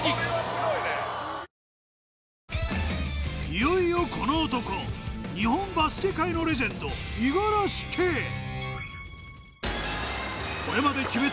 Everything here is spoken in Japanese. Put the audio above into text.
いよいよこの男日本バスケ界のレジェンド五十嵐圭何と７７９５得点！